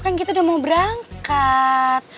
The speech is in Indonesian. kan kita udah mau berangkat